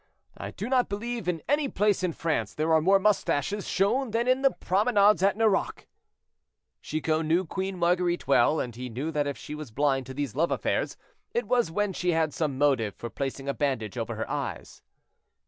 I do not believe in any place in France there are more mustaches shown than in the promenades at Nerac." Chicot knew Queen Marguerite well, and he knew that if she was blind to these love affairs, it was when she had some motive for placing a bandage over her eyes.